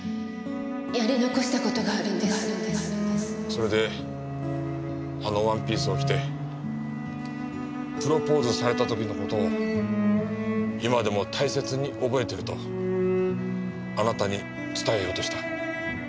それであのワンピースを着てプロポーズされた時の事を今でも大切に覚えているとあなたに伝えようとした。